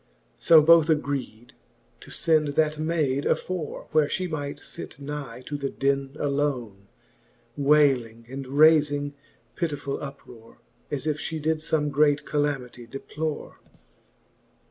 So both agreed, to fend that mayd afore. Where flie might fit nigh to the den alone, Wayling, and rayfing pittifull uprore, As if Ihe did fome great calamitie deplore.